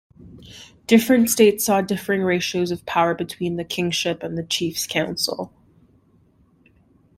Different states saw differing ratios of power between the kingship and the chiefs' council.